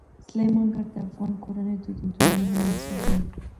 سلیمان غر د افغان کورنیو د دودونو مهم عنصر دی.